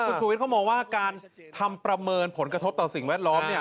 คุณชูวิทยเขามองว่าการทำประเมินผลกระทบต่อสิ่งแวดล้อมเนี่ย